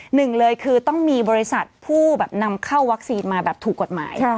หนึ่งเลยคือต้องมีบริษัทผู้นำเข้าวัคซีนมาแบบถูกกฎหมาย